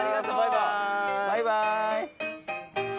バイバーイ。